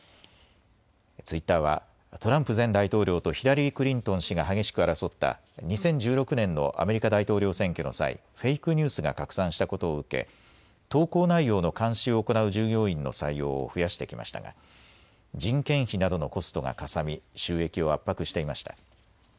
ツイッターはトランプ前大統領とヒラリー・クリントン氏が激しく争った２０１６年のアメリカ大統領選挙の際、フェイクニュースが拡散したことを受け、投稿内容の監視を行う従業員の採用を増やしてきましたが人件費などのコストがかさみ収益を圧迫していました。